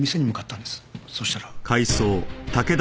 そうしたら。